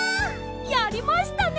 やりましたね！